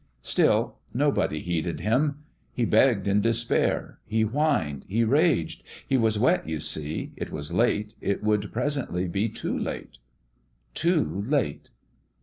Still no body heeded him. He begged in despair. He whined he raged. He was wet, you see : it was late it would presently be too late. Too late